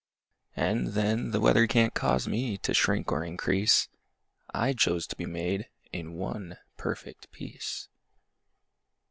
And, then, The weather can't cause me to shrink or increase: I chose to be made in one perfect piece!